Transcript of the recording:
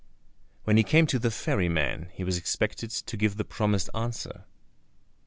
When he came to the ferry man he was expected to give the promised answer.